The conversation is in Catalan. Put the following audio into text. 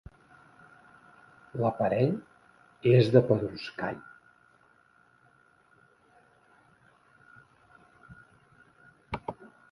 L'aparell és de pedruscall.